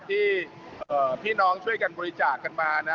ที่พี่น้องช่วยกันบริจาคกันมานะ